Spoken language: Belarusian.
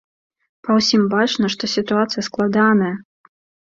Па ўсім бачна, што сітуацыя складаная!